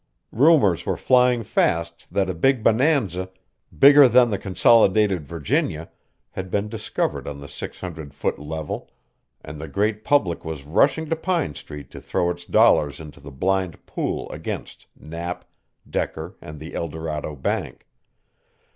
Rumors were flying fast that a big bonanza, "bigger than the Consolidated Virginia," had been discovered on the six hundred foot level, and the great public was rushing to Pine Street to throw its dollars into the blind pool against Knapp, Decker and the El Dorado bank.